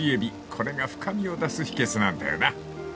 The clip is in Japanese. ［これが深みを出す秘訣なんだよな］